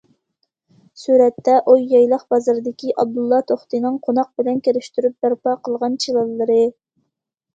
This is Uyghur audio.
سۈرەتتە: ئوييايلاق بازىرىدىكى ئابدۇللا توختىنىڭ قوناق بىلەن كىرىشتۈرۈپ بەرپا قىلغان چىلانلىرى.